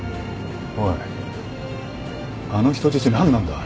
おいあの人質何なんだ？